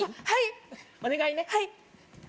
はいお願いね